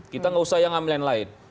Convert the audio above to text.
kita nggak usah yang ngambil yang lain